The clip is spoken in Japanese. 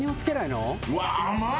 うわっ甘い！